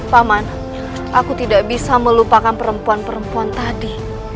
paman aku tidak bisa melupakan perempuan perempuan tadi